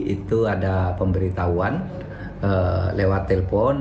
itu ada pemberitahuan lewat telpon